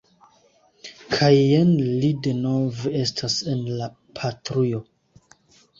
Kaj jen li denove estas en la patrujo.